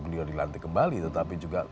beliau dilantik kembali tetapi juga